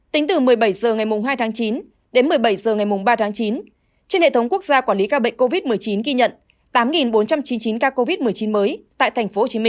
tính từ một mươi bảy h ngày hai tháng chín đến một mươi bảy h ngày ba tháng chín trên hệ thống quốc gia quản lý ca bệnh covid một mươi chín ghi nhận tám bốn trăm chín mươi chín ca covid một mươi chín mới tại tp hcm